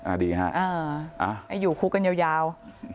อ่าดีค่ะเอออยู่คุกกันยาว